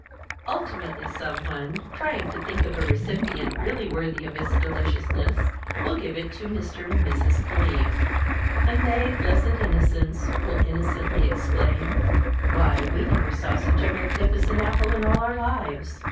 Ultimately some one, trying to think of a recipient really worthy of its deliciousness, will give it to Mr. and Mrs. Caliph. And they, blessed innocents, will innocently exclaim, "Why we never saw such a magnificent apple in all our lives."